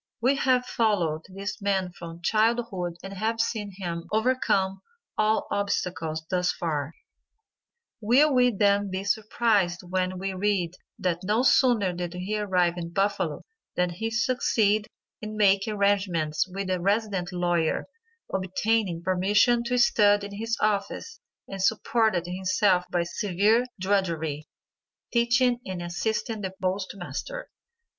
We have followed this man from childhood and have seen him overcome all obstacles thus far; will we then be surprised when we read that no sooner did he arrive in Buffalo than he succeeded in making arrangements with a resident lawyer, obtaining permission to study in his office and supported himself by severe drudgery, teaching and assisting the post master.